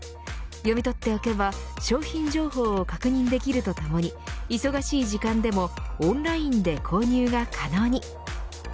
読み取っておけば商品情報を確認できるとともに忙しい時間でも、オンラインで購入が可能に。